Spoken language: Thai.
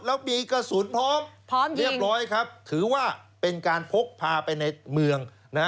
แล้วมีกระสุนพร้อมพร้อมเรียบร้อยครับถือว่าเป็นการพกพาไปในเมือง